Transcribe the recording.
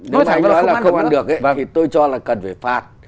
nói thẳng ra là không ăn được thì tôi cho là cần phải phạt